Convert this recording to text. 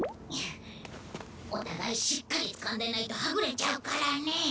お互いしっかりつかんでないとはぐれちゃうからね。